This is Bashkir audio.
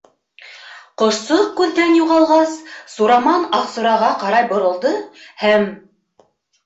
Ҡошсоҡ күҙҙән юғалғас, Сураман Аҡсураға ҡарай боролдо, һәм: